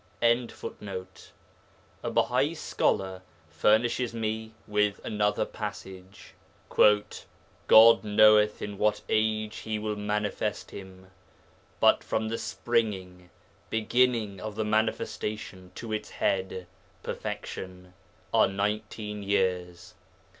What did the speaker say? '] A Bahai scholar furnishes me with another passage 'God knoweth in what age He will manifest him. But from the springing (beginning) of the manifestation to its head (perfection) are nineteen years.'